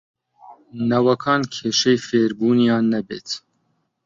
نەوەکان کێشەی فێربوونیان نەبێت